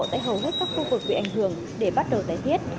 tại hầu hết các khu vực bị ảnh hưởng để bắt đầu tái thiết